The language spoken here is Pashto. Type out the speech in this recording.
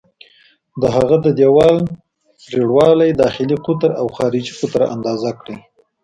د هغه د دیوال پرېړوالی، داخلي قطر او خارجي قطر اندازه کړئ.